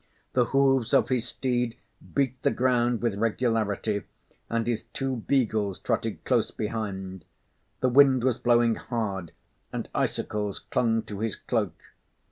The hoofs of his steed beat the ground with regularity and his two beagles trotted close behind. The wind was blowing hard and icicles clung to his cloak.